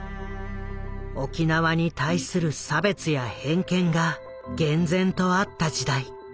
沖縄に対する差別や偏見が厳然とあった時代。